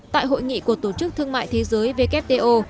tại hội nghị của tổ chức thương mại thế giới wto